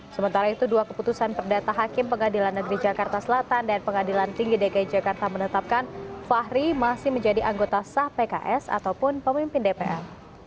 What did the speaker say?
sementara itu dua keputusan perdata hakim pengadilan negeri jakarta selatan dan pengadilan tinggi dki jakarta menetapkan fahri masih menjadi anggota sah pks ataupun pemimpin dpr